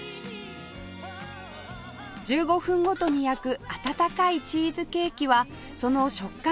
１５分ごとに焼く温かいチーズケーキはその食感と味わいが大好評